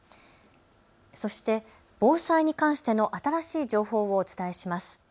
そして防災に関しての新しい情報をお伝えします。